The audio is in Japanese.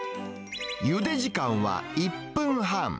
ゆで時間は１分半。